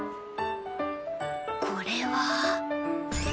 これは。